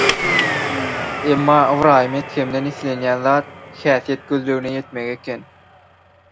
emma Ybraýym Edhemden islenýän zat, häsiýet gözelligine ýetmegi eken.